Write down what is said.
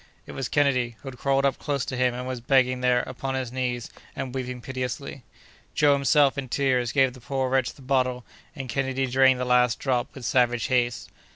It was Kennedy, who had crawled up close to him, and was begging there, upon his knees, and weeping piteously. Joe, himself in tears, gave the poor wretch the bottle, and Kennedy drained the last drop with savage haste.